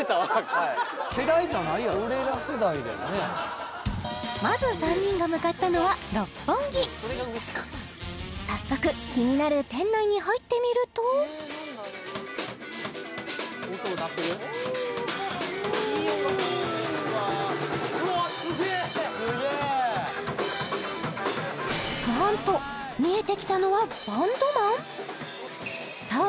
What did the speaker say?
はいまず３人が向かったのは六本木早速気になる店内に入ってみるとおおなんと見えてきたのはバンドマンそう